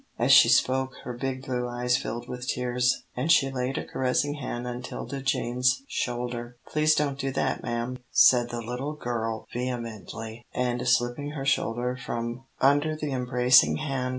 As she spoke, her big blue eyes filled with tears, and she laid a caressing hand on 'Tilda Jane's shoulder. "Please don't do that, ma'am," said the little girl, vehemently, and slipping her shoulder from under the embracing hand.